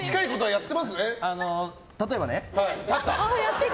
例えばね。